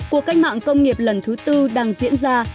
cuộc cách mạng công nghiệp lần thứ tư đang diễn ra